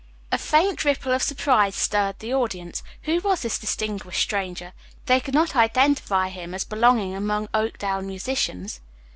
A faint ripple of surprise stirred the audience. Who was this distinguished stranger! They could not identify him as belonging among Oakdale musicians.